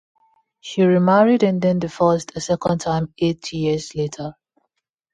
She remarried and then divorced a second time eight years later.